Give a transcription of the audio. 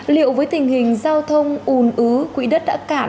liệu với tình hình giao thông ùn ứ quỹ đất đã cạn